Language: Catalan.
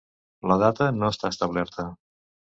La data no està establerta.